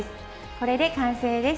これで完成です。